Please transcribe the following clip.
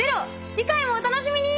次回もお楽しみに！